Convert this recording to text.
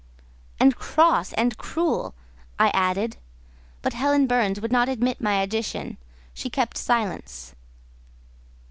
"And cross and cruel," I added; but Helen Burns would not admit my addition: she kept silence.